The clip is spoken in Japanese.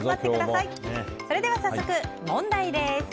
それでは早速、問題です。